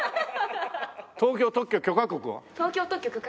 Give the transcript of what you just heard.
東京特許許可局は？